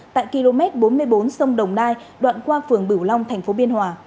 tại km bốn mươi bốn sông đồng nai đoạn qua phường bỉu long tp biên hòa